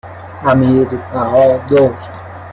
امیربهادر